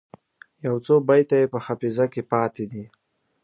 یو څو بیته یې په حافظه کې پاته دي.